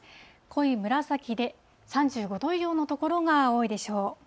濃い紫で３５度以上の所が多いでしょう。